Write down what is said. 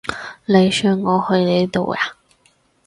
你想我去你度呀？